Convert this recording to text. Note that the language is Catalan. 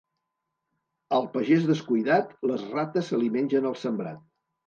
Al pagès descuidat, les rates se li mengen el sembrat.